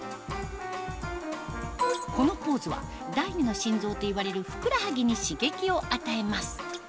このポーズは第二の心臓といわれるふくらはぎに刺激を与えます